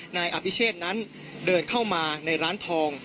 นายอภิเชษนั้นเดินเข้ามาในร้านทอง